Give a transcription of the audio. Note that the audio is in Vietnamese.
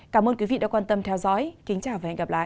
cảm ơn quý vị đã quan tâm theo dõi kính chào và hẹn gặp lại